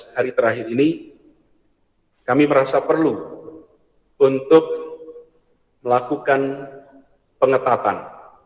hari terakhir ini kami merasa perlu untuk melakukan pengetatan